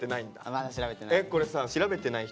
まだ調べてない。